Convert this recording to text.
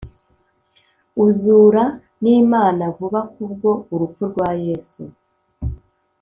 uzura n'lmana vuba kubwo urupfu rwa yesu :